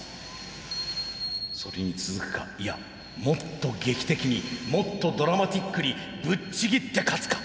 それに続くかいやもっと劇的にもっとドラマチックにぶっちぎって勝つか。